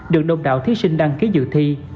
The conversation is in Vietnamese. được đồng đạo thí sinh đăng ký dự thi